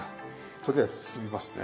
とりあえず包みますね。